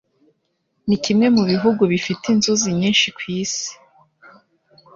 Ni kimwe mu bihugu bifite inzuzi nyinshi ku isi